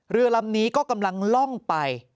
เรือลำนี้ก็กำลังล่องไป